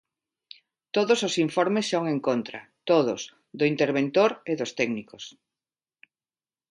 Todos os informes son en contra, todos, do interventor e dos técnicos.